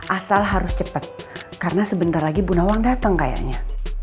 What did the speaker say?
asal harus cepat karena sebentar lagi bu nawang datang kayaknya